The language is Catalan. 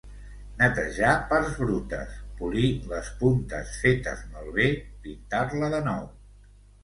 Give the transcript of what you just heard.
Netejar parts brutes, polir les puntes fetes malbé, pintar-la de nou...